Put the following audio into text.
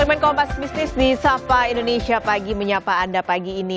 semen kompas bisnis di sapa indonesia pagi menyapa anda pagi ini